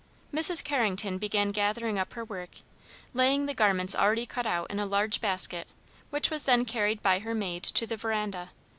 Mrs. Carrington began gathering up her work, laying the garments already cut out in a large basket, which was then carried by her maid to the veranda.